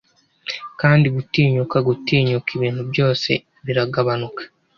kandi gutinyuka gutinyuka ibintu byose biragabanuka